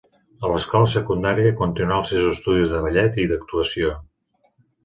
A l'escola secundària continuà els seus estudis de ballet i d'actuació.